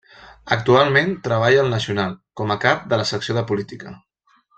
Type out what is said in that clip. Actualment treballa al Nacional com a cap de la secció de política.